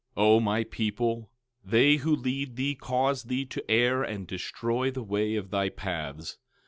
O my people, they who lead thee cause thee to err and destroy the way of thy paths.